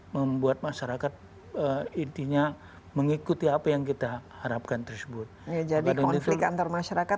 membuat masyarakat intinya mengikuti apa yang kita harapkan tersebut ya jadi konflik antar masyarakat